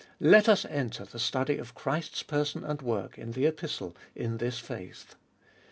Let us enter the study of Christ's person and work in the Epistle in this faith.